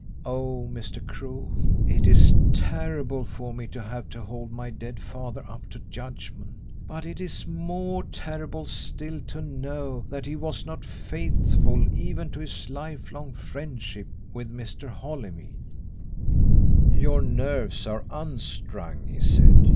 Oh, Mr. Crewe, it is terrible for me to have to hold my dead father up to judgment, but it is more terrible still to know that he was not faithful even to his lifelong friendship with Mr. Holymead." "Your nerves are unstrung," he said.